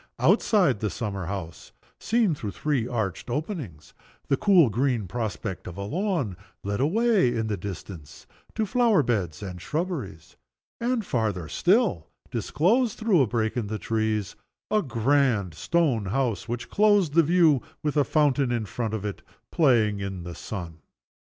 Outside the summer house, seen through three arched openings, the cool green prospect of a lawn led away, in the distance, to flower beds and shrubberies, and, farther still, disclosed, through a break in the trees, a grand stone house which closed the view, with a fountain in front of it playing in the sun.